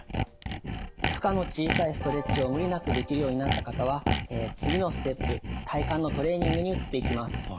負荷の小さいストレッチを無理なくできるようになった方は次のステップ体幹のトレーニングに移っていきます。